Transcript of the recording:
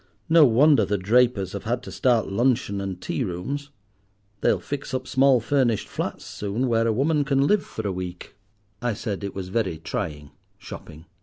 No wonder the drapers have had to start luncheon and tea rooms. They'll fix up small furnished flats soon, where a woman can live for a week." I said it was very trying, shopping.